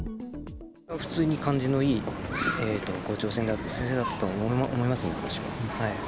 普通に感じのいい校長先生だったと思いますよ、私は。